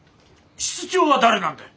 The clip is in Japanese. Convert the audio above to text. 室長は誰なんだよ？